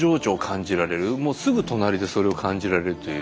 もうすぐ隣でそれを感じられるという。